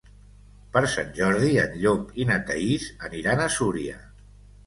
Per Sant Jordi en Llop i na Thaís aniran a Súria.